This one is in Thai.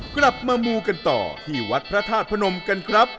กลับมามูกันต่อที่วัดพระธาตุพนมกันครับ